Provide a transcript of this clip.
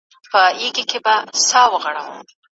هغه سړی چي کمپيوټر پوهنه تدریس کوي، ډېر حوصله لري.